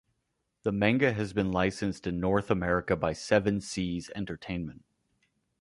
The manga has been licensed in North America by Seven Seas Entertainment.